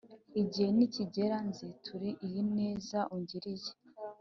igihe nikigera nzitura iyi neza ungiriye."